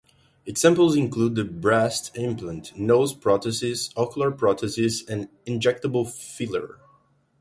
Examples include the breast implant, nose prosthesis, ocular prosthesis, and injectable filler.